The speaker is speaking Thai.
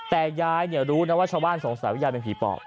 แต่ยายรู้นะว่าชาวบ้านสงสัยว่ายายเป็นผีปอบ